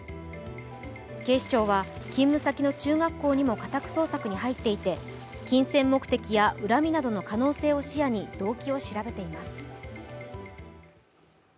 警視庁は勤務先の中学校にも家宅捜索に入っていて金銭目的や恨みなどの可能性を視野に動機を調べています。